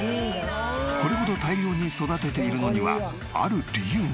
これほど大量に育てているのにはある理由が。